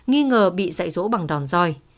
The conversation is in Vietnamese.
tuy ngờ bị dạy dỗ bằng đòn roi